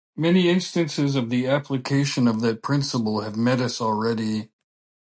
Many instances of the application of that principle have met us already.